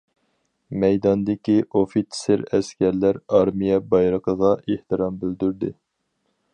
مەيداندىكى ئوفىتسېر ئەسكەرلەر ئارمىيە بايرىقىغا ئېھتىرام بىلدۈردى.